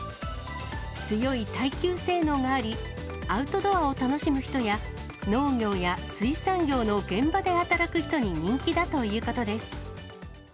強い耐久性能があり、アウトドアを楽しむ人や、農業や水産業の現場で働く人に人気だということです。